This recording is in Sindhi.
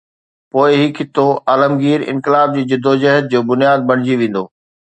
پوءِ هي خطو عالمگير انقلاب جي جدوجهد جو بنياد بڻجي ويندو.